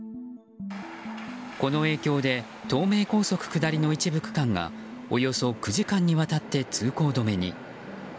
この影響で東名高速下りの一部区間がおよそ９時間にわたって通行止めに。